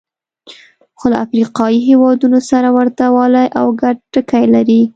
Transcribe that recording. خو له افریقایي هېوادونو سره ورته والی او ګډ ټکي لري.